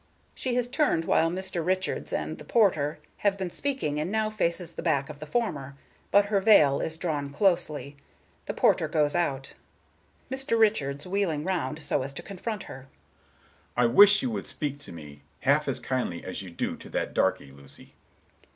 She has turned while Mr. Richards and The Porter have been speaking, and now faces the back of the former, but her veil is drawn closely. The Porter goes out. Mr. Richards, wheeling round so as to confront her: "I wish you would speak to me half as kindly as you do to that darky, Lucy."